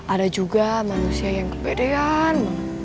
ada juga manusia yang kepedean